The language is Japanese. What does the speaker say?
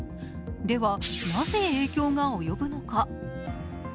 ではなぜ影響が及ぶのか。